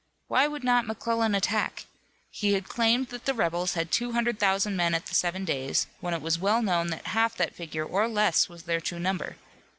Why would not McClellan attack? He had claimed that the rebels had two hundred thousand men at the Seven Days, when it was well known that half that figure or less was their true number.